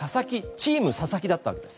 チーム佐々木だったんです。